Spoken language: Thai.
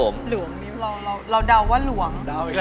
หลวงนี้เราเดาว่าหลวง